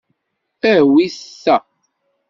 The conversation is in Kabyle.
Awit ta.